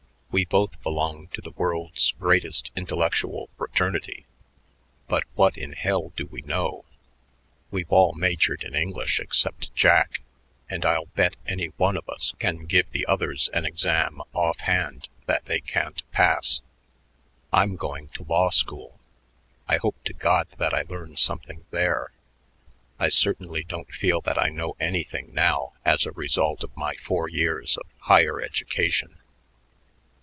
We both belong to the world's greatest intellectual fraternity, but what in hell do we know? We've all majored in English except Jack, and I'll bet any one of us can give the others an exam offhand that they can't pass. I'm going to law school. I hope to God that I learn something there. I certainly don't feel that I know anything now as a result of my four years of 'higher education.'"